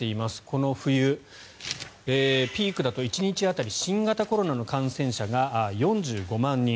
この冬、ピークだと１日当たり新型コロナの感染者が４５万人。